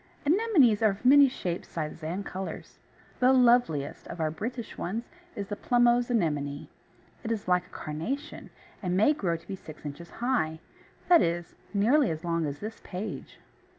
Anemones are of many shapes, sizes, and colours. The loveliest of our British ones is the Plumose Anemone. It is like a carnation, and may grow to be six inches high that is, nearly as long as this page.